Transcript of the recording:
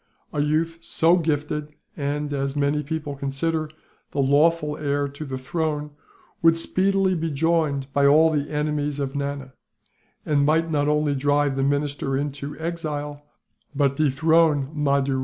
A youth so gifted and, as many people consider, the lawful heir to the throne, would speedily be joined by all the enemies of Nana; and might not only drive the minister into exile, but dethrone Mahdoo Rao.